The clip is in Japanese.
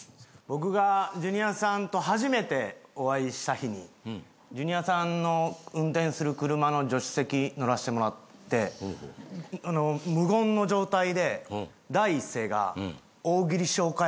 僕がジュニアさんと初めてお会いした日にジュニアさんの運転する車の助手席乗らせてもらって無言の状態で第一声が「大喜利しようか」